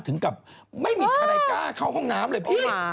ถึงกับไม่มีใครกล้าเข้าห้องน้ำเลยพี่